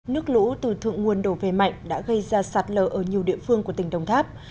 nước lũ từ thượng nguồn đổ về mạnh đã gây ra sạt lở ở nhiều địa phương của tỉnh đồng tháp